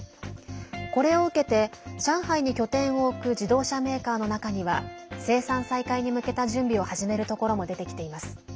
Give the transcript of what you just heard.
これを受けて上海に拠点を置く自動車メーカーの中には生産再開に向けた準備を始めるところも出てきています。